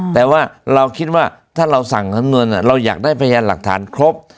แต่ว่าเราคิดว่าถ้าเราสั่งสำนวนเราอยากได้พยานหลักฐานครบ